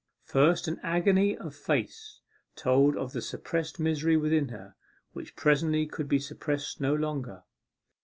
First, an agony of face told of the suppressed misery within her, which presently could be suppressed no longer.